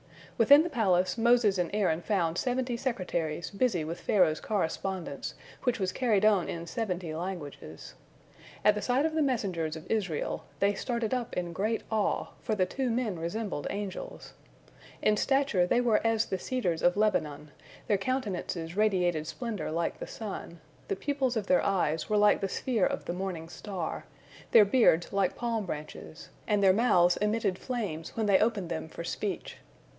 Within the palace, Moses and Aaron found seventy secretaries busy with Pharaoh's correspondence, which was carried on in seventy languages. At the sight of the messengers of Israel, they started up in great awe, for the two men resembled angels. In stature they were as the cedars of Lebanon, their countenances radiated splendor like the sun, the pupils of their eyes were like the sphere of the morning star, their beards like palm branches, and their mouths emitted flames when they opened them for speech.